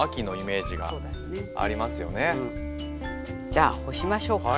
じゃあ干しましょうか。